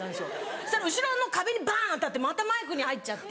そしたら後ろの壁に当たってまたマイクに入っちゃって。